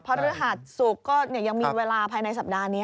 ฤหัสศุกร์ก็ยังมีเวลาภายในสัปดาห์นี้